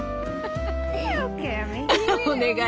お願い